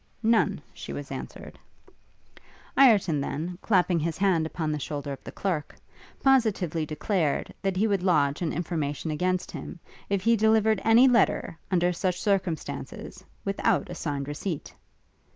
None, she was answered. Ireton then, clapping his hand upon the shoulder of the clerk, positively declared, that he would lodge an information against him, if he delivered any letter, under such circumstances, without a signed receipt.